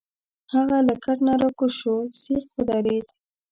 هغه له کټ نه راکوز شو، سیخ ودرید.